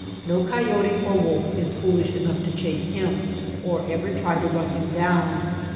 No coyote or wolf is foolish enongh to chase him or ever try to rnn him down.